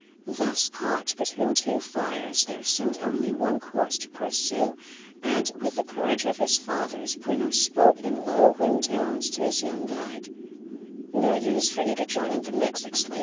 Thus caught between two fires, there seemed only one course to pursue, and, with the courage of his fathers, Bruno spoke in low, grim tones to his young guide: "No use for you to join in the mix, Ixtli.